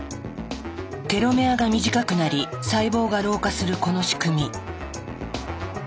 テロメアが短くなり細胞が老化するこの仕組み。